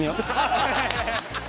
ハハハハ！